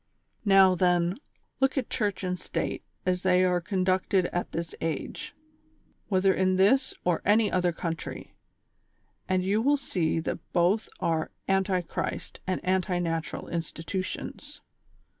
Now, then, look at Church and State as they are con ducted at this age, whether in this or any other country, and you will see that both are anti Christ and anti natural institutions.